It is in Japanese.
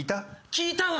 きいたわ！